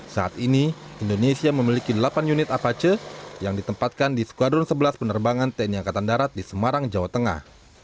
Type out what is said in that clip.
saat ini indonesia memiliki delapan unit apache yang ditempatkan di skuadron sebelas penerbangan tni angkatan darat di semarang jawa tengah